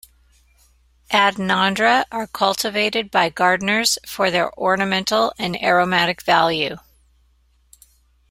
"Adenandra" are cultivated by gardeners for their ornamental and aromatic value.